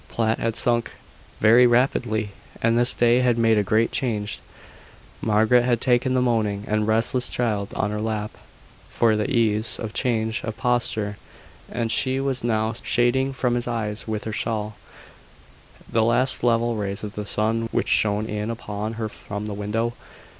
Platt had sunk very rapidly, and this day had made a great change. Margaret had taken the moaning and restless child on her lap, for the ease of change of posture: and she was now shading from his eyes with her shawl, the last level rays of the sun which shone in upon her from the window.